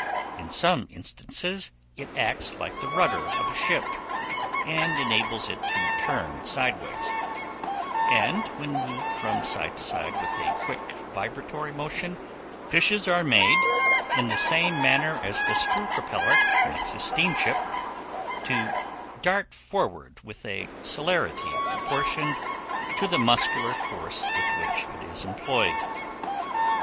In some instances it acts like the rudder of a ship, and enables it to turn sideways; and when moved from side to side with a quick vibratory motion, fishes are made, in the same manner as the "screw" propeller makes a steamship, to dart forward with a celerity proportioned to the muscular force with which it is employed.